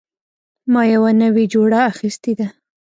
ما یوه نوې جوړه اخیستې ده